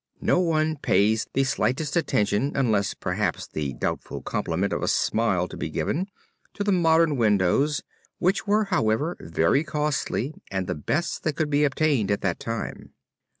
No one pays the slightest attention, unless perhaps the doubtful compliment of a smile be given, to the modern windows which were, however, very costly and the best that could be obtained at that time.